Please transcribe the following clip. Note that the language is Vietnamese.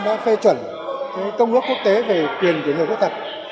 đã phê chuẩn công ước quốc tế về quyền của người khuyết tật